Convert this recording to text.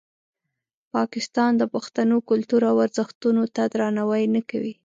پاکستان د پښتنو کلتور او ارزښتونو ته درناوی نه کوي.